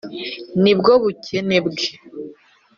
nibwo bukene bwe